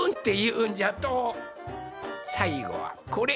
さいごはこれ！